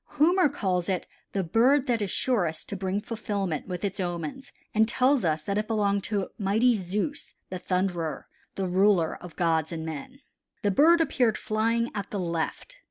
Homer calls it the bird that is surest to bring fulfillment with its omens and tells us that it belonged to mighty Zeus the thunderer, the ruler of gods and men. The bird appeared flying at the left.